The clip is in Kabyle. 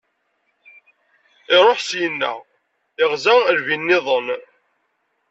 Iṛuḥ syenna, iɣza lbi- nniḍen.